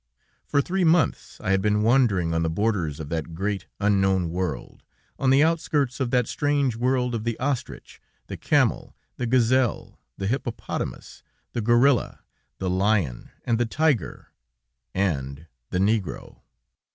For three months I had been wandering on the borders of that great, unknown world, on the outskirts of that strange world of the ostrich, the camel, the gazelle, the hippopotamus, the gorilla, the lion and the tiger, and the negro.